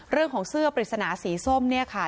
เรื่องของเสื้อปริศนาสีส้มเนี่ยค่ะ